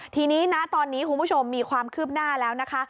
ทีนี้นะตอนนี้คุณผู้ชมมีความคืบหน้าแล้วนะคะ